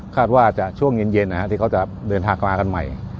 คาดว่าช่วงเย็นเขาจะเดินทางมากันใหม่